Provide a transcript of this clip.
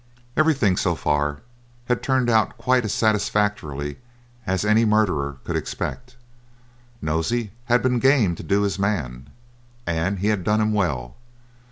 Everything, so far, had turned out quite as satisfactorily as any murderer could expect. Nosey had been game to do his man, and he had done him well.